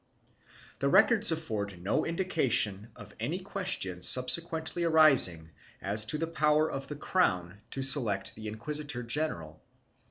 1 The records afford no indication of any question subsequently arising as to the power of the crown to select the inquisitor general.